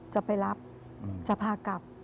จะไปรับจะพากลับ